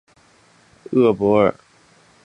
厄尔伯。